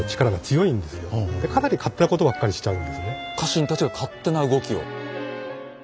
家臣たちが勝手な動きを。